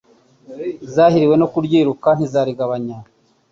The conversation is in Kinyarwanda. zahiriwe no kuryiruka nk'izarigabanye